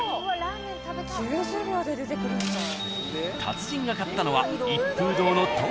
［達人が買ったのは］